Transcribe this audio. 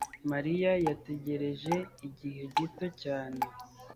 mariya yategereje igihe gito cyane